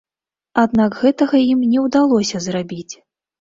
Аднак гэтага ім не ўдалося зрабіць.